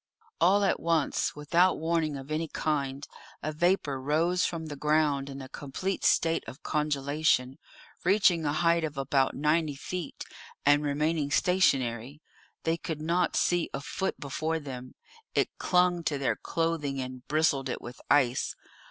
All at once, without warning of any kind, a vapour rose from the ground in a complete state of congelation, reaching a height of about ninety feet, and remaining stationary; they could not see a foot before them; it clung to their clothing, and bristled it with ice.